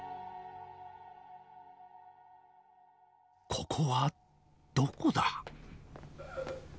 ここはどこだ？